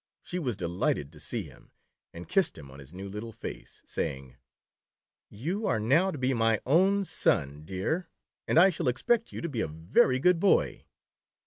She was delighted to see him and kissed him on his new little face, saying :'' You are now to be my own son, dear, and I shall expect you to be a very good Boy."